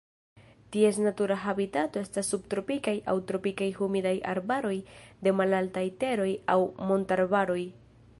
Ties natura habitato estas subtropikaj aŭ tropikaj humidaj arbaroj de malaltaj teroj aŭ montararbaroj.